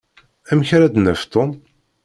Amek ara d-naf Tom?